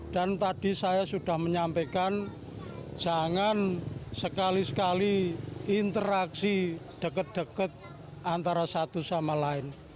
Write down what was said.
dan tadi saya sudah menyampaikan jangan sekali sekali interaksi dekat dekat antara satu sama lain